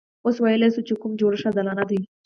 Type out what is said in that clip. اوس ویلای شو چې کوم جوړښت عادلانه دی.